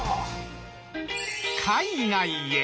海外へ。